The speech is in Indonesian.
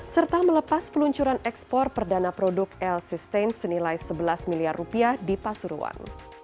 serta melepas peluncuran ekspor perdana produk l sustain senilai rp sebelas miliar di pasuruan